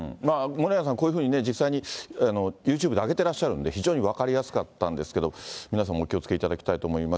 森永さん、こういうふうに実際にユーチューブで上げてらっしゃるので、非常に分かりやすかったんですけど、皆さんもお気をつけいただきたいと思います。